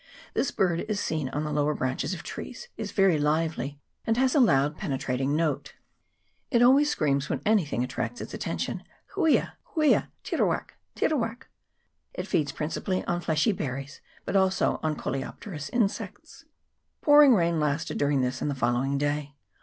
This bird is seen on the lower branches of trees, is very lively, and has a loud penetrating note. It always screams when anything attracts its atten tion huei, huei, tierawak, tierawak. It feeds prin cipally on fleshy berries, but also on coleopterous insects. Pouring rain lasted during this and the follow ing day.